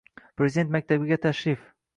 Prezident maktabiga tashrifng